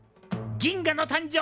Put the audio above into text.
銀河の誕生